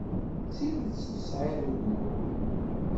D tidet tesɛid ugur.